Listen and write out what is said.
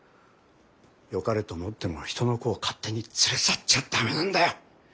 よかれと思ってもひとの子を勝手に連れ去っちゃダメなんだよ。